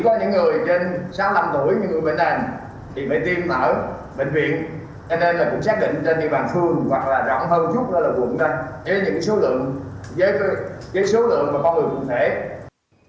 cho nên là cũng xác định trên địa bàn phương hoặc là rõ hơn chút là là vườn ra với những số lượng với số lượng mà con người cũng thể